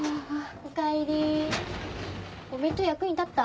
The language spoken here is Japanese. おかえりお弁当役に立った？